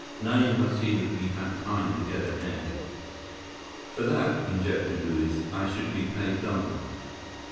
Now you must see that we have time to get ahead." "For that," injected Luiz, "I should be paid double."